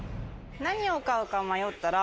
何を買うか迷ったら。